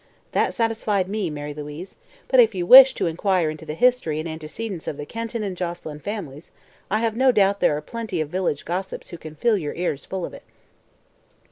That satisfied me, Mary Louise, but if you wish to inquire into the history and antecedents of the Kenton and Joselyn families, I have no doubt there are plenty of village gossips who can fill your ears full of it."